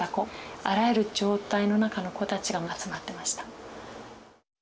あらゆる状態の中の子たちが集まってました。